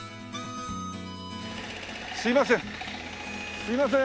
すいません。